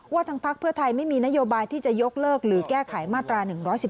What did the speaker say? ทางพักเพื่อไทยไม่มีนโยบายที่จะยกเลิกหรือแก้ไขมาตรา๑๑๒